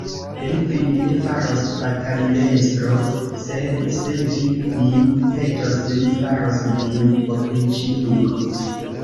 Li vin ne faros batalilestro, sed, se vi lin petos, li faros vin opriĉniko.